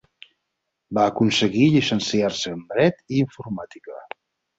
Va aconseguir llicenciar-se en dret i informàtica.